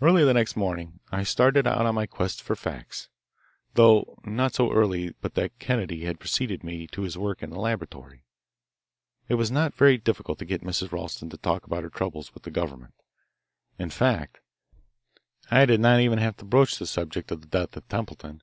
Early the next morning I started out on my quest for facts, though not so early but that Kennedy had preceded me to his work in his laboratory. It was not very difficult to get Mrs. Ralston to talk about her troubles with the government. In fact, I did not even have to broach the subject of the death of Templeton.